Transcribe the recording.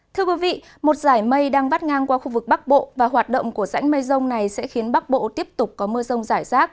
thưa quý vị một giải mây đang vắt ngang qua khu vực bắc bộ và hoạt động của rãnh mây rông này sẽ khiến bắc bộ tiếp tục có mưa rông rải rác